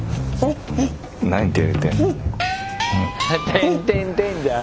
テンテンテンじゃん！